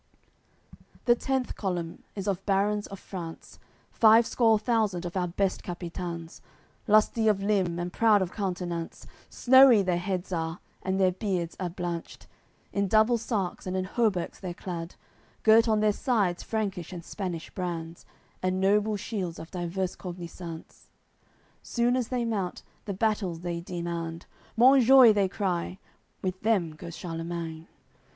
CCXXV The tenth column is of barons of France, Five score thousand of our best capitans; Lusty of limb, and proud of countenance, Snowy their heads are, and their beards are blanched, In doubled sarks, and in hauberks they're clad, Girt on their sides Frankish and Spanish brands And noble shields of divers cognisance. Soon as they mount, the battle they demand, "Monjoie" they cry. With them goes Charlemagne.